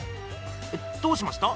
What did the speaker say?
どうしました？